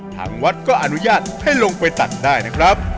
ทางวัดก็อนุญาตให้ลงไปตัดได้นะครับ